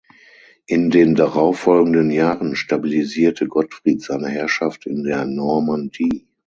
In den darauffolgenden Jahren stabilisierte Gottfried seine Herrschaft in der Normandie.